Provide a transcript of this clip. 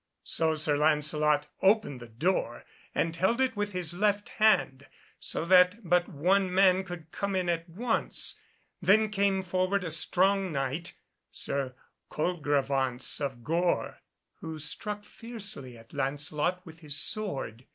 So Sir Lancelot opened the door and held it with his left hand, so that but one man could come in at once. Then came forward a strong Knight, Sir Colegrevance of Gore, who struck fiercely at Lancelot with his sword.